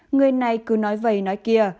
người này cứ nói vầy nói kia